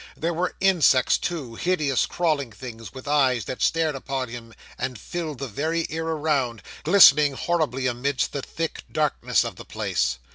There were insects, too, hideous crawling things, with eyes that stared upon him, and filled the very air around, glistening horribly amidst the thick darkness of the place.